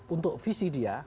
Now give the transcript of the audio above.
untuk visi dia